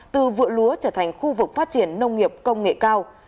từ vựa lúa trở thành khu vực phát triển nông nghiệp công nghệ cao